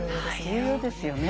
重要ですよね。